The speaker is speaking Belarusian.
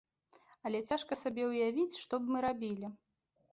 Але цяжка сабе ўявіць, што б мы рабілі.